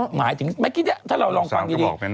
หมายถึงเมื่อกี้เนี่ยถ้าเราลองฟังดี